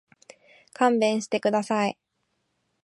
勘弁してください。